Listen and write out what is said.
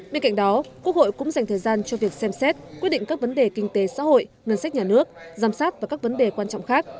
bên cạnh đó quốc hội cũng dành thời gian cho việc xem xét quyết định các vấn đề kinh tế xã hội ngân sách nhà nước giám sát và các vấn đề quan trọng khác